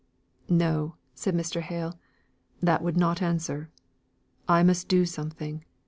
"No!" said Mr. Hale. "That would not answer. I must do something!